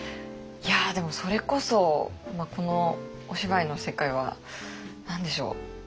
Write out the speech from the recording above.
いやでもそれこそこのお芝居の世界は何でしょう。